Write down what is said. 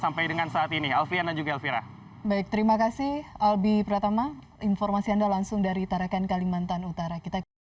selamat sampai dengan saat ini